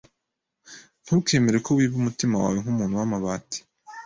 Ntukemere ko wiba umutima wawe nkumuntu wamabati